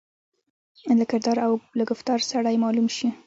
له کردار او له ګفتار سړای معلوم شي.